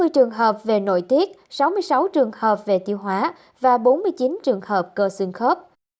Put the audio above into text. hai mươi trường hợp về nội tiết sáu mươi sáu trường hợp về tiêu hóa và bốn mươi chín trường hợp cơ xương khớp